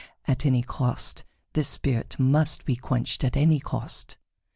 At any cost this spirit must be quenched at any cost."